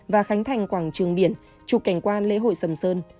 và khánh thành quảng trường biển trục cảnh quan lễ hội sầm sơn